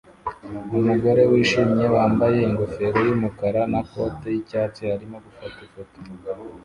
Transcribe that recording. Umugore wishimye wambaye ingofero yumukara na kote yicyatsi arimo gufata ifoto